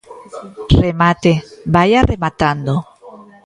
Remate, vaia rematando.